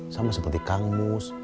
sama seperti kang mus